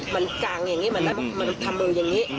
มันกางอย่างงี้มันได้ประปุธิภัณฑ์มันทำอะไรอย่างงี้